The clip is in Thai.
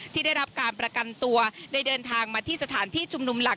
ที่ได้รับการประกันตัวได้เดินทางมาที่สถานที่ชุมนุมหลัก